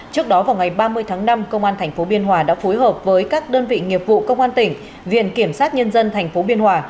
trước đó vào ngày ba mươi tháng năm cơ quan tp biên hòa đã phối hợp với các đơn vị nghiệp vụ cơ quan tỉnh viện kiểm sát nhân dân tp biên hòa